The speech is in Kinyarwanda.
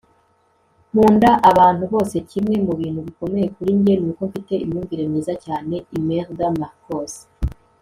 nkunda abantu bose. kimwe mu bintu bikomeye kuri njye ni uko mfite imyumvire myiza cyane. - imelda marcos